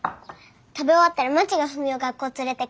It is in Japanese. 食べ終わったらまちがふみお学校連れてく。